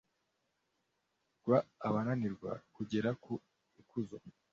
rm bananirwa kugera ku ikuzo